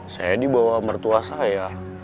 saya dibawa mertua saya